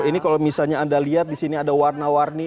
ini kalau misalnya anda lihat disini ada warna warni